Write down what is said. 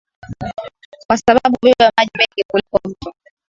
kwa sababu hubeba maji mengi kuliko Mto